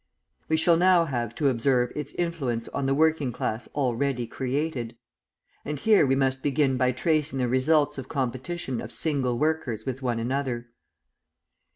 We shall now have to observe its influence on the working class already created. And here we must begin by tracing the results of competition of single workers with one another.